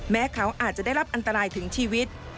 เขาอาจจะได้รับอันตรายถึงชีวิต